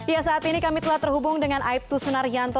ya saat ini kami telah terhubung dengan aibtu sunaryanto